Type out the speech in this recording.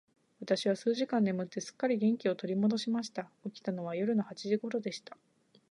私は数時間眠って、すっかり元気を取り戻しました。起きたのは夜の八時頃でした。